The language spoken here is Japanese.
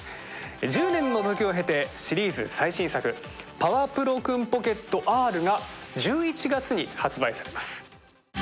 １０年の時を経てシリーズ最新作『パワプロクンポケットＲ』が１１月に発売されます。